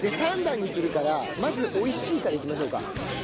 ３段にするからまずおいＣからいきましょうか。